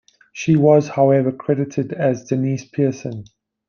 She was, however, credited as Deniece Pearson.